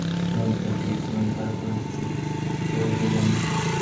ইমাম সাহেব বেশ মন খারাপ করে চুপ হয়ে গেলেন।